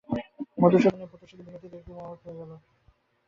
মধুসূদনের এই অপ্রত্যাশিত বিনতি দেখে কুমু অবাক হয়ে রইল।